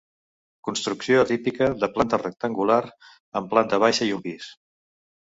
Construcció atípica, de planta rectangular, amb planta baixa i un pis.